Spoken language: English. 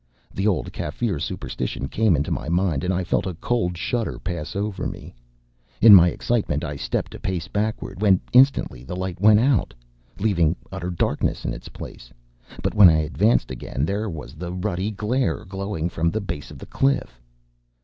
The old Kaffir superstition came into my mind, and I felt a cold shudder pass over me. In my excitement I stepped a pace backward, when instantly the light went out, leaving utter darkness in its place; but when I advanced again, there was the ruddy glare glowing from the base of the cliff.